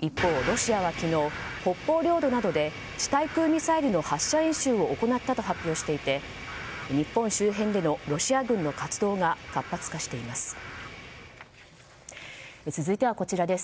一方、ロシアは昨日北方領土などで地対空ミサイルの発射演習を行ったと発表していて日本周辺でのロシア軍の活動が活発化しています。